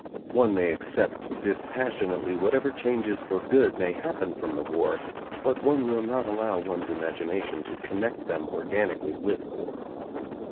One may accept dispassionately whatever changes for good may happen from the war, but one will not allow one's imagination to connect them or ganically with war.